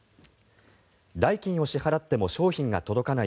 代金を支払っても商品が届かない